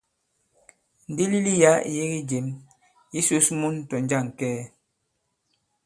Ndilili yǎ ì yege jěm. Ǐ sǔs mun tɔ̀ jȃŋ kɛɛ.